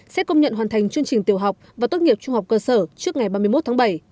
xét công nhận hoàn thành chương trình tiểu học và tốt nghiệp trung học cơ sở trước ngày ba mươi một tháng bảy